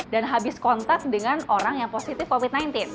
dan habis kontak dengan orang yang positif covid sembilan belas